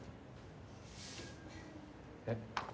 えっ？